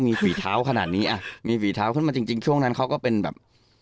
มีฝีเท้าขนาดนี้อ่ะมีฝีเท้าขึ้นมาจริงจริงช่วงนั้นเขาก็เป็นแบบ